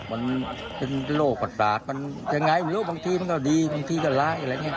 มันเป็นโรคระด์ปลากก็ดีบางทีก็ร้าย